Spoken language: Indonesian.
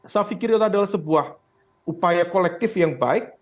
saya pikir itu adalah sebuah upaya kolektif yang baik